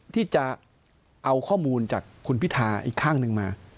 ที่จะเอาข้อมูลจากคุณพิธาอีกข้างหนึ่งมา